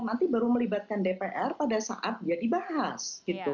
nanti baru melibatkan dpr pada saat dia dibahas gitu